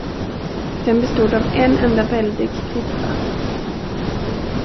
Den bestod av en enda väldig klippa.